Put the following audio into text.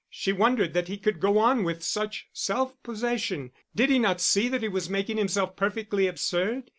She wondered that he could go on with such self possession. Did he not see that he was making himself perfectly absurd!